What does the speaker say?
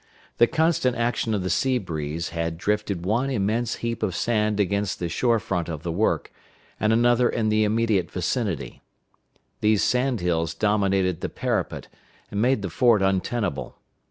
The constant action of the sea breeze had drifted one immense heap of sand against the shore front of the work, and another in the immediate vicinity. These sand hills dominated the parapet, and made the fort untenable.